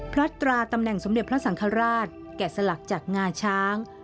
ตราตำแหน่งสมเด็จพระสังฆราชแก่สลักจากงาช้าง